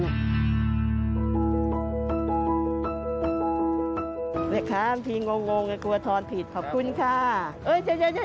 แม่ค้าบางทีงงกลัวทอนผิดขอบคุณค่ะ